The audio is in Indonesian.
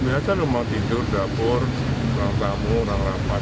biasa rumah tidur dapur kurang tamu orang rapat